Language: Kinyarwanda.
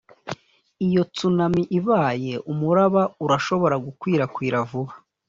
iyo tsunami ibaye, umuraba urashobora gukwirakwira vuba.